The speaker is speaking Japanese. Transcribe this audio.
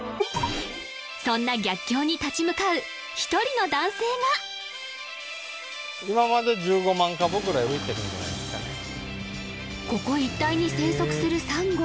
そんな逆境に立ち向かう１人の男性がここ一帯に生息するサンゴ